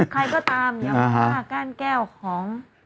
ใครก็ตามอย่างผ้าก้านแก้วของ